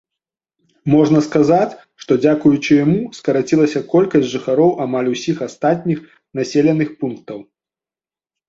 Можна сказаць, што дзякуючы яму скарацілася колькасць жыхароў амаль усіх астатніх населеных пунктаў.